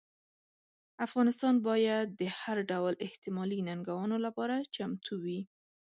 افغانستان باید د هر ډول احتمالي ننګونو لپاره چمتو وي.